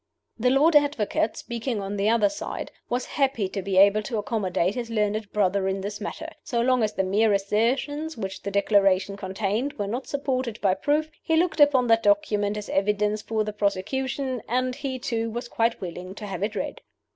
The Lord Advocate (speaking on the other side) was happy to be able to accommodate his learned brother in this matter. So long as the mere assertions which the Declaration contained were not supported by proof, he looked upon that document as evidence for the prosecution, and he too was quite willing to have it read.